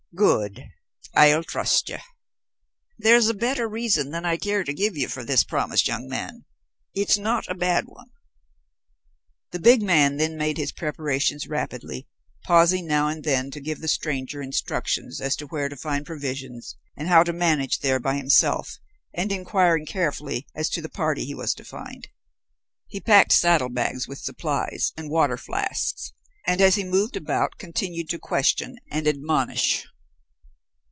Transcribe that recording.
"Good. I'll trust you. There's a better reason than I care to give you for this promise, young man. It's not a bad one." The big man then made his preparations rapidly, pausing now and then to give the stranger instructions as to where to find provisions and how to manage there by himself, and inquiring carefully as to the party he was to find. He packed saddlebags with supplies, and water flasks, and, as he moved about, continued to question and admonish.